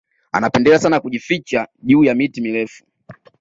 Anapendelea sana kujificha juu ya miti mirefu